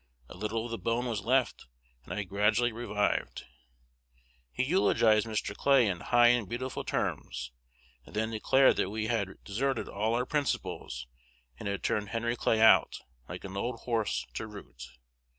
A little of the bone was left, and I gradually revived. He eulogized Mr. Clay in high and beautiful terms, and then declared that we had deserted all our principles, and had turned Henry Clay out, like an old horse, to root.